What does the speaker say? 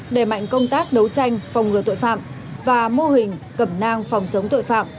đẩy mạnh công tác đấu tranh phòng ngừa tội phạm và mô hình cẩm nang phòng chống tội phạm